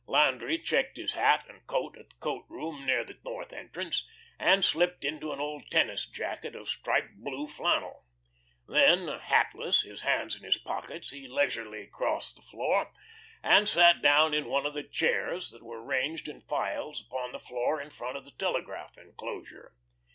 Landry checked his hat and coat at the coat room near the north entrance, and slipped into an old tennis jacket of striped blue flannel. Then, hatless, his hands in his pockets, he leisurely crossed the floor, and sat down in one of the chairs that were ranged in files upon the floor in front of the telegraph enclosure.